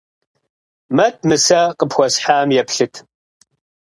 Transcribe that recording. Мэт, мы сэ къыпхуэсхьам еплъыт.